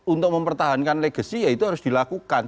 untuk mempertahankan legacy ya itu harus dilakukan